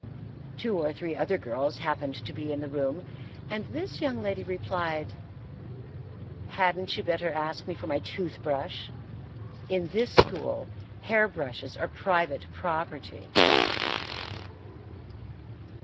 Two or three other girls happened to be in the room, and this young lady replied, "Hadn't you better ask me for my tooth brush? In this school, hair brushes are private property."